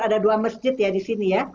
ada dua masjid di sini